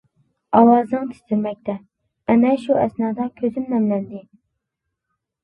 ئاۋازىڭ تىترىمەكتە، ئەنە شۇ ئەسنادا كۆزۈم نەمدەلدى.